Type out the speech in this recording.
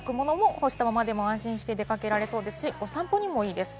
洗濯物も干したままでも安心して出かけられそうですし、お散歩にもいいです。